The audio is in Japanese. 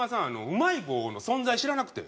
うまい棒の存在知らなくて。